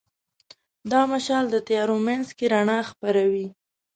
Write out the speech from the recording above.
دا مشال د تیارو منځ کې رڼا خپروي.